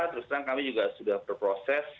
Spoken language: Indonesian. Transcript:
terus terang kami juga sudah berproses